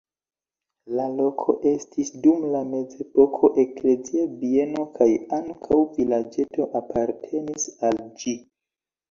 La loko estis dum la mezepoko eklezia bieno kaj ankaŭ vilaĝeto apartenis al ĝi.